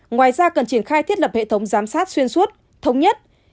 ngoài ra cần triển khai thiết lập hệ thống giám sát xuyên suốt thống nhất